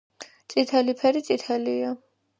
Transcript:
წითელი ფერი წითელია